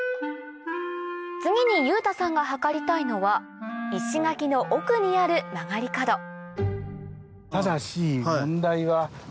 次に裕太さんが測りたいのは石垣の奥にある曲がり角ただし。